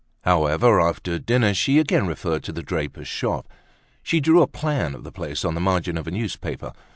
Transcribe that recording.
However, after dinner, she again referred to the draper's shop. She drew a plan of the place on the margin of a newspaper.